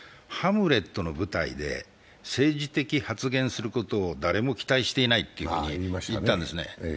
ハムレットの舞台で政治的発言することを誰も期待していないというふうに言ったんですね。